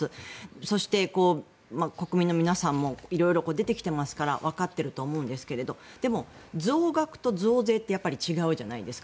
そして、国民の皆さんも色々出てきてますからわかっていると思うんですがでも、増額と増税ってやっぱり違うじゃないですか。